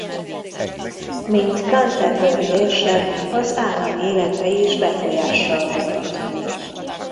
Mint canterbury érsek az állami életre is befolyással volt.